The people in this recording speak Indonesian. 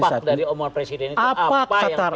dampak dari omor presiden itu apa